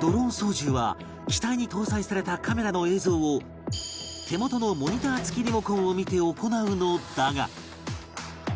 ドローン操縦は機体に搭載されたカメラの映像を手元のモニター付きリモコンを見て行うのだが